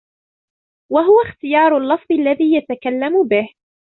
وَهُوَ اخْتِيَارُ اللَّفْظِ الَّذِي يَتَكَلَّمُ بِهِ